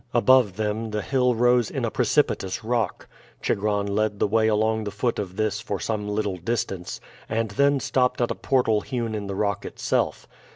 Above them the hill rose in a precipitous rock. Chigron led the way along the foot of this for some little distance, and then stopped at a portal hewn in the rock itself.